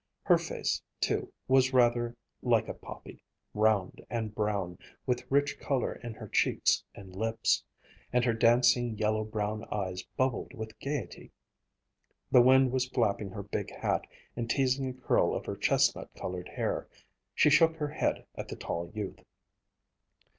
Her face, too, was rather like a poppy, round and brown, with rich color in her cheeks and lips, and her dancing yellow brown eyes bubbled with gayety. The wind was flapping her big hat and teasing a curl of her chestnut colored hair. She shook her head at the tall youth.